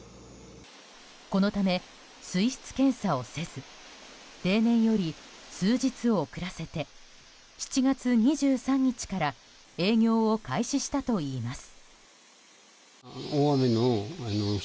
このため水質検査をせず例年より数日遅らせて７月２３日から営業を開始したといいます。